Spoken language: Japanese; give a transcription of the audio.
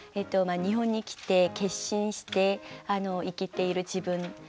まあ日本に来て決心して生きている自分。